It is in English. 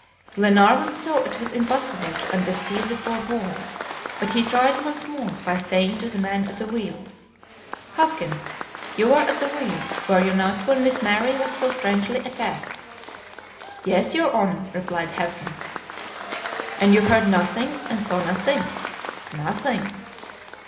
Glenarvan saw it was impossible to undeceive the poor boy, but he tried once more by saying to the man at the wheel: "Hawkins, you were at the wheel, were you not, when Miss Mary was so strangely attacked?" "Yes, your Honor," replied Hawkins. "And you heard nothing, and saw nothing?" "Nothing."